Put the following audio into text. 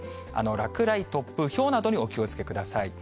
落雷、突風、ひょうなどにお気をつけください。